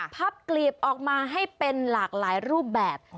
พับกลีบออกมาให้เป็นหลากหลายรูปแบบ